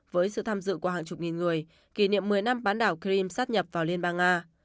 với sự tham dự của hàng chục nghìn người kỷ niệm một mươi năm bán đảo kriam sát nhập vào liên bang nga